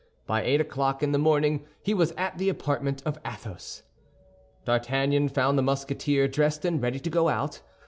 By eight o'clock in the morning he was at the apartment of Athos. D'Artagnan found the Musketeer dressed and ready to go out.